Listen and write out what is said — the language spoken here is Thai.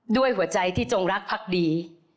ด้วยหัวใจที่จงรักพักดี